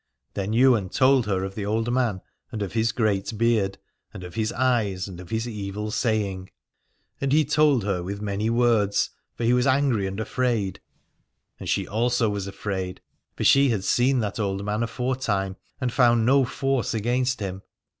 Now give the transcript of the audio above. Then Ywain told her of the old man and of his great beard, and of his eyes, and of his evil saying : and he told her with many 288 Al adore words, for he was angry and afraid. And she also was afraid, for she had seen that old man aforetime, and found no force against him.